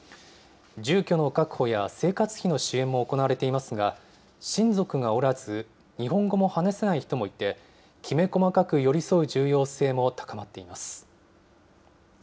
住居の確保や生活費の支援も行われていますが、親族がおらず、日本語も話せない人もいて、きめ細かく寄り添う重要性も高まっています。